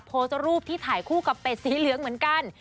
โพสต์รูปที่ถ่ายคู่กับเป็ดสีเหลืองเหมือนกัน